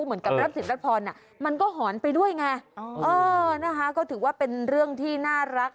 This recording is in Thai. เหมือนกับรับสินรับพรมันก็หอนไปด้วยไงนะคะก็ถือว่าเป็นเรื่องที่น่ารัก